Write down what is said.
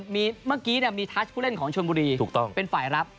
เมื่อกี้มีทัชผู้เล่นของชนบุรีถูกต้องเป็นฝ่ายรับ